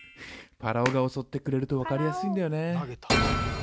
ぱらおが襲ってくれると分かりやすいんだよね。